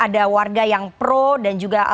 ada warga yang pro dan juga